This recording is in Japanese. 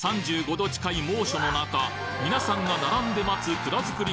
℃近い猛暑の中皆さんが並んで待つ蔵づくり